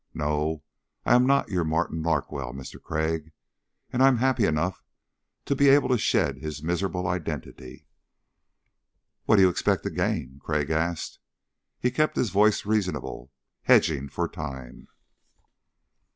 No, I am not your Martin Larkwell, Mister Crag. And I'm happy enough to be able to shed his miserable identity." "What do you expect to gain?" Crag asked. He kept his voice reasonable, hedging for time.